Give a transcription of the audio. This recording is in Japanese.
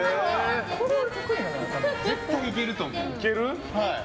絶対いけると思う。